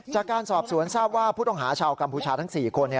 จากการสอบสวนทราบว่าผู้ต้องหาชาวกัมพูชาทั้ง๔คน